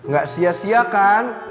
gak sia sia kan